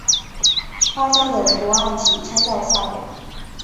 花札的图案请参照下表。